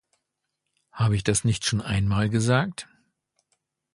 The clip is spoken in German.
Habe ich das nicht schon einmal gesagt?